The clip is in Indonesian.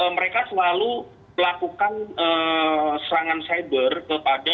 mereka selalu melakukan serangan cyber kepada